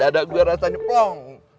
dadah gue rasanya plong